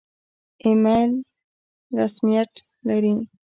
ایمیل رسمیت لري؟